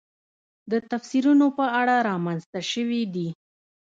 د تفسیرونو په اړه رامنځته شوې دي.